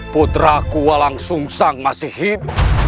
putraku walang sung sang masih hidup